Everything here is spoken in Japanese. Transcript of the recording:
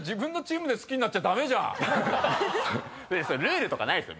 ルールとかないっすよ。